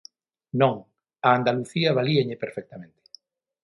Non, a Andalucía valíalle perfectamente.